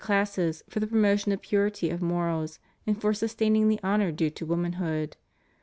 341 classes for the promotion of purity of morals and for sus taining the honor due to womanhood.